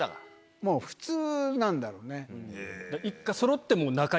もう普通なんだろうね。